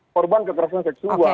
korban kekerasan seksual